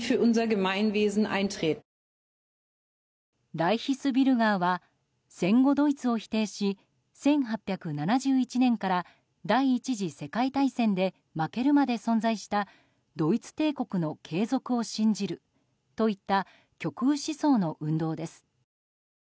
ライヒスビュルガーは戦後ドイツを否定し１８７１年から第１次世界大戦で負けるまで存在したドイツ帝国の継続を信じるといった極右思想の運動です。